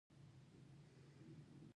د مذهبي پاڅونونو له ډاره چلند وکړ.